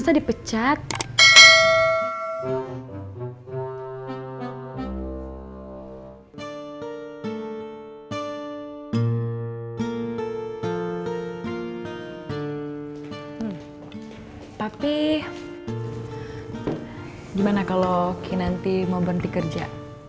tapi gimana kalau ki nanti mau berhenti kerja